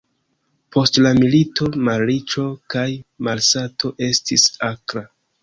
Post la milito malriĉo kaj malsato estis akra.